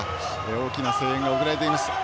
大きな声援が送られています。